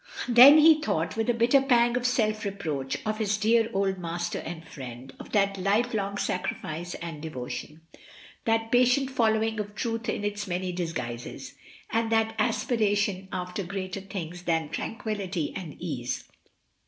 Then he thought, with a bitter pang of self reproach, of his dear old master and friend, of that life long sacrifice and devotion, that patient following of Truth in its many dis guises, and that aspiration after greater things than tranquillity and ease.